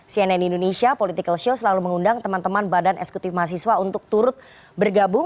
cnn indonesia political show selalu mengundang teman teman badan eksekutif mahasiswa untuk turut bergabung